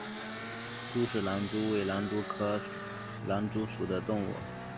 苏氏狼蛛为狼蛛科狼蛛属的动物。